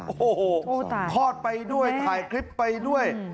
โอ้โหทอดไปด้วยถ่ายคลิปไปด้วย